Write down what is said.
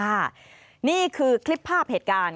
นี่คือคลิปภาพเหตุการณ์